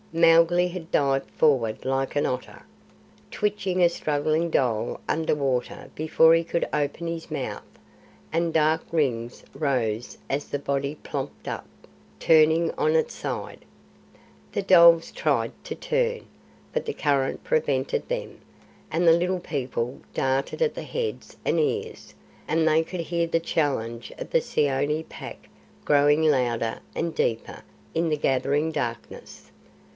Mowgli had dived forward like an otter, twitched a struggling dhole under water before he could open his mouth, and dark rings rose as the body plopped up, turning on its side. The dholes tried to turn, but the current prevented them, and the Little People darted at the heads and ears, and they could hear the challenge of the Seeonee Pack growing louder and deeper in the gathering darkness.